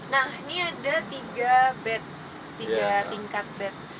nah ini ada tiga bed tiga tingkat bed